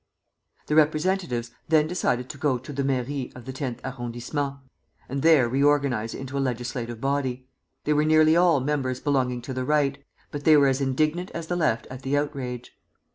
The representatives then decided to go to the Mairie of the Tenth Arrondissement, and there reorganize into a legislative body. They were nearly all members belonging to the Right, but they were as indignant as the Left at the outrage.